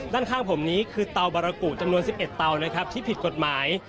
ด้านข้างผมนี้คือเตาบารกุจำนวน๑๑เตานะครับที่ผิดกฎหมาย